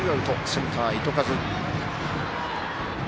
センター、糸数です。